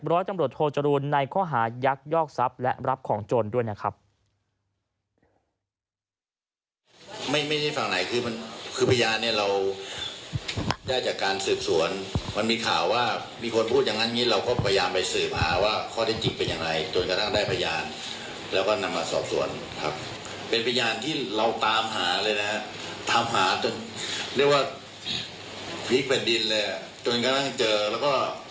ร้อยตำรวจโทจรูลในข้อหายักยอกทรัพย์และรับของโจรด้วยนะครับ